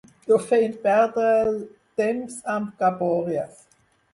No feien perdre'l temps amb cabòries